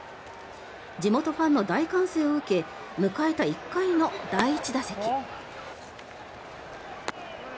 地元ファンの大歓声を受け迎えた１回の第１打席。